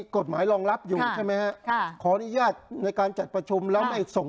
กฎหมายรองรับอยู่ใช่ไหมฮะค่ะขออนุญาตในการจัดประชุมแล้วไม่ส่ง